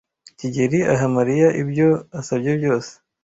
kigeli aha Mariya ibyo asabye byose.